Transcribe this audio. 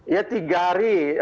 ya tiga hari